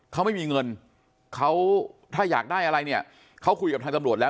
เขาไม่มีเงินเขาถ้าอยากได้อะไรเนี่ยเขาคุยกับทางตำรวจแล้ว